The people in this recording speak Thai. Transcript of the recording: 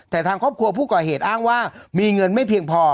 แต่ทางครอบครัวผู้ก่อเหตุอ้างว่ามีเงินไม่เพียงพอ